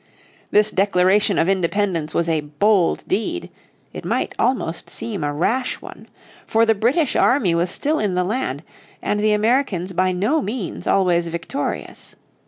This Declaration of Independence was a bold deed, it might almost seem a rash one. For the British army was still in the land, and the Americans by no means always victorious.